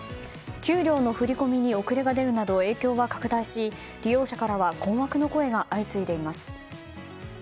給料の振り込みに遅れが出るなど影響が拡大し利用者からは困惑の声が相次いでいます。